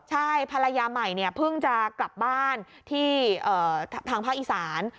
ใช่ภรรยาใหม่เพิ่งจะกลับบ้านทางภาคอีสาน